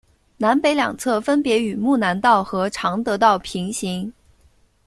南北两侧分别与睦南道和常德道平行。